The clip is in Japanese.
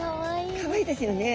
かわいいですよね。